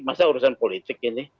masa urusan politik ini